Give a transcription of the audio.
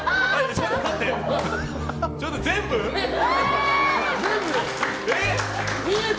ちょっと待って。